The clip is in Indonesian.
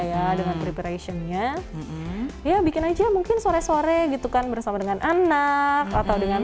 ya dengan preparation nya ya bikin aja mungkin sore sore gitu kan bersama dengan anak atau dengan